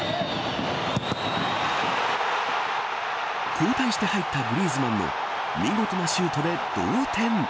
交代して入ったグリーズマンの見事なシュートで同点。